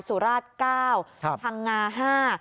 สุราช๙รายทางงา๕ราย